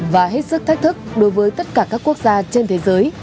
và hết sức thách thức đối với tất cả các quốc gia trên thế giới